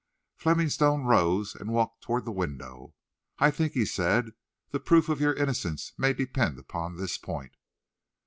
Fleming Stone rose and walked toward the window. "I think," he said, "the proof of your innocence may depend upon this point."